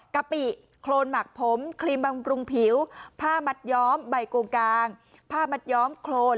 กะปิโครนหมักผมครีมบำรุงผิวผ้ามัดย้อมใบโกงกางผ้ามัดย้อมโครน